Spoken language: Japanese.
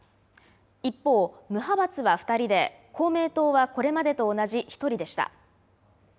一方、無派閥は２人で公明党はこれまでと同じ１人でした。